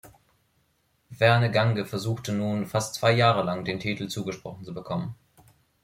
Verne Gagne versuchte nun fast zwei Jahre lang, den Titel zugesprochen zu bekommen.